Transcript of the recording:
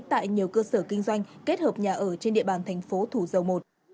tại nhiều cơ sở kinh doanh kết hợp nhà ở trên địa bàn thành phố thủ dầu một